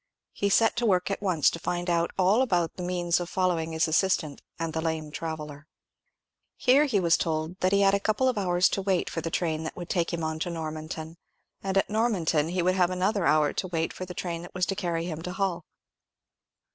He set to work at once to find out all about the means of following his assistant and the lame traveller. Here he was told that he had a couple of hours to wait for the train that was to take him on to Normanton, and at Normanton he would have another hour to wait for the train that was to carry him to Hull.